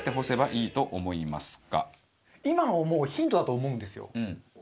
今のはもうヒントだと思うんですよ。